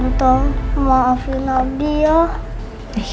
aku dapet banyak yang mau bantu aku